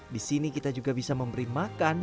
di sini kita juga bisa memberi makan